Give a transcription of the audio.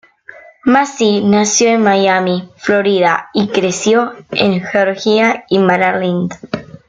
Macy nació en Miami, Florida, y creció en Georgia y Maryland.